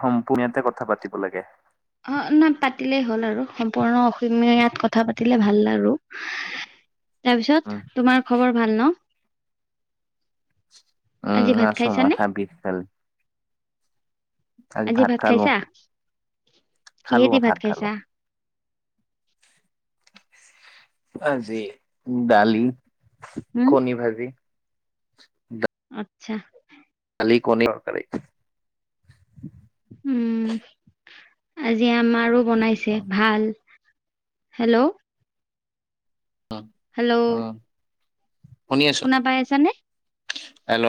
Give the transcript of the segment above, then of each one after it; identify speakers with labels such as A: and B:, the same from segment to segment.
A: সম্পূৰ্ণীয়াতে কথা পাতিব লাগে।
B: অ', নহ পাতিলেই হ'ল আৰু সম্পূৰ্ণ অসমীয়াত কথা পাতিলে ভাল আৰু।
A: উম
B: তাৰপিছত তোমাৰ খবৰ ভাল ন'?
A: উম,
B: আজি ভাত
A: আছো
B: খাইছানে
A: মাথা বিষ হেল আজি ভাত খালোঁ, খালোঁ
B: কিহেদি
A: ভাত খালোঁ।
B: খাইছা
A: আজি ডালি,
B: উম
A: কণী ভাজি।
B: আত্ছা।
A: খালি কণী তৰকাৰী।
B: উম, আজি আমাৰো বনাইছে
A: উম
B: ভাল। হেল্ল'?
A: অ'।
B: হেল্ল'?
A: শুনি আছোঁ
B: শুনা পাই আছানে
A: হেল্ল'।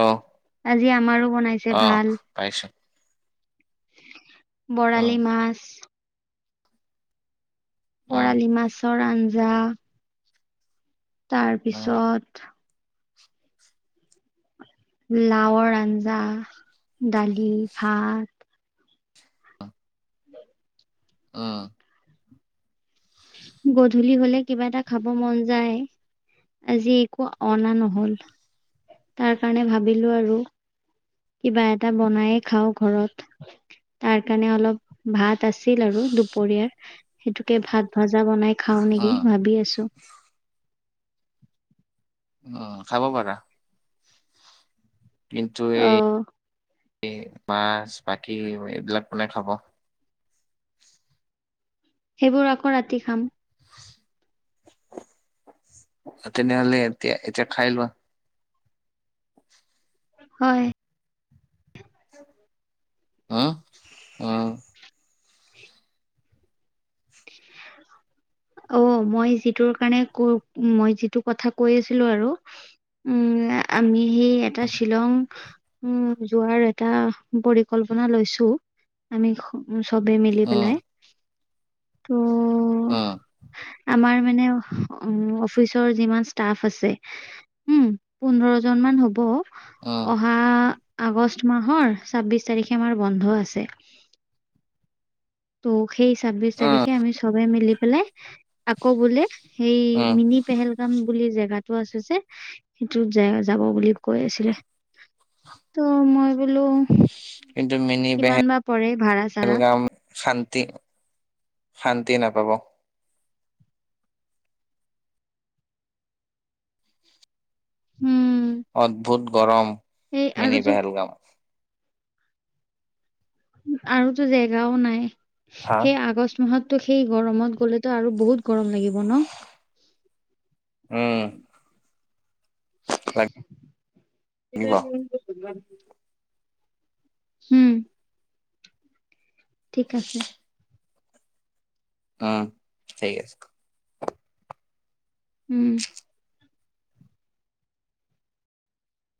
B: আজি আমাৰো বনাইছে।
A: অ',
B: ভাল
A: পাইছোঁ। উম
B: বৰালি মাছ
A: উম
B: বৰালি মাছৰ আঞ্জা।
A: উম
B: তাৰপিছত লাওৰ আঞ্জা দালি ভাত।
A: অ'।
B: গধূলি হ'লে কিবা এটা খাব মন যায়। আজি একো অনা নহ'ল তাৰ কাৰণে ভাবিলোঁ আৰু। কিবা এটা বনায়ে খাও ঘৰত। তাৰ কাৰণে অলপ ভাত আছিল আৰু দুপৰীয়াৰ। সেইটোকে ভাত ভজা বনাই খাওঁ নেকি
A: উম
B: ভাবি আছোঁ।
A: অহ, খাব পাৰা। কিন্তু এই
B: অ
A: মাছ বাকি এইবিলাক কোনে খাব।
B: সেইবোৰ আকৌ ৰাতি খাম।
A: তেনে হ'লে এতিয়া এতিয়া খাই লোৱা।
B: হয়।
A: অ, অ।
B: ঔ, মই যিটোৰ কাৰণে কৈ মই যিটো কথা কৈ আছিলো আৰু। উম আমি সি এটা শ্বিলং। উম যোৱাৰ এটা পৰিকল্পনা লৈছো আমি। উ চবেই মিলি
A: উম
B: পেলাই। টোও।
A: উম
B: আমাৰ মানে অফিচৰ যিমান ষ্টাফ আছে। উম, পোন্ধৰ জন মান হ'ব।
A: উম
B: অহা আগষ্ট মাহৰ ছাব্বিশ তাৰিখে আমাৰ বন্ধ আছে। ত' সেই ছাব্বিশ
A: উম
B: তাৰিখে আমি চবে মিলি পেলাই আকৌ বোলে সেই
A: উম
B: মিনিট। পেহেলগাম বুলি জেগাতটো আছে যে, সেইটোত য যাব বুলি কৈ আছিলে। তো মই বোলো।
A: কিন্ত মিনি বেহে
B: কিমান বা পৰে ভাড়া চাড়া
A: গাম। শান্তি শান্তি নাপাব।
B: উম
A: অদ্ভুত গৰম
B: এই
A: মিনি
B: আৰুতো
A: পেহেলগাম।
B: আৰুতো জেগাও নাই,
A: হা
B: সেই আগষ্ট মাহত। ত সেই গৰমত গ'লেতো আৰু বহুত গৰম লাগিব ন।
A: উম।
B: এইটো।
A: লাগিব
B: উম। ঠিক আছে।
A: উম ঠিক আছে।
B: উম।